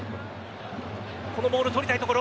このボール取りたいところ。